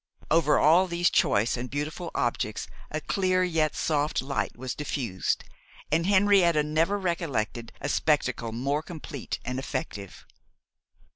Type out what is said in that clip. Over all these choice and beautiful objects a clear yet soft light was diffused, and Henrietta never recollected a spectacle more complete and effective.